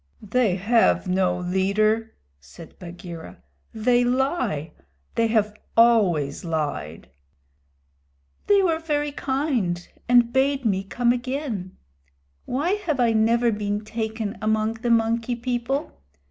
"They have no leader," said Bagheera. "They lie. They have always lied." "They were very kind and bade me come again. Why have I never been taken among the Monkey People?